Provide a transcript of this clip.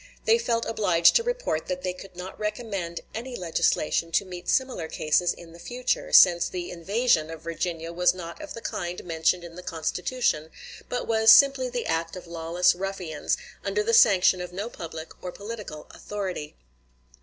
They felt obliged to report that they could not recommend any legislation to meet similar cases in the future, since the "invasion" of Virginia was not of the kind mentioned in the Constitution, but was "simply the act of lawless ruffians, under the sanction of no public or political authority."